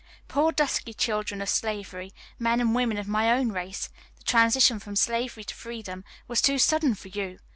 Poor dusky children of slavery, men and women of my own race the transition from slavery to freedom was too sudden for you!